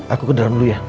aku ke dalam dulu ya